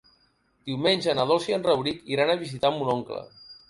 Diumenge na Dolça i en Rauric iran a visitar mon oncle.